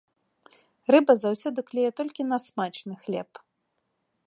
Рыба заўсёды клюе толькі на смачны хлеб.